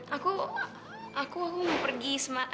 aku aku mau pergi sama sama rek